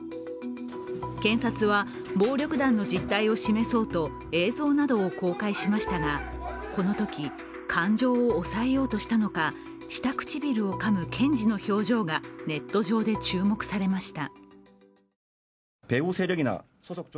検察は暴力団の実態を示そうと映像などを公開しましたが、このとき感情を抑えようとしたのか、下唇をかむ検事の表情がネット上で注目されました。